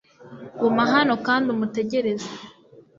guma hano kandi umutegereze